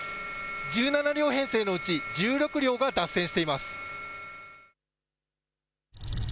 １７両編成のうち１６両が脱線しています。